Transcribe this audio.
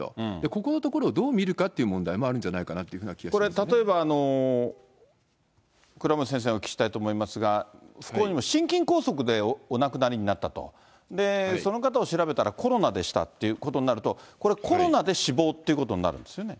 ここのところをどう見るかという問題もあるんじゃないかなというこれ例えば、倉持先生にお聞きしたいと思いますが、不幸にも心筋梗塞でお亡くなりになったと、その方を調べたらコロナでしたっていうことになると、これ、コロナで死亡ということになるんですよね。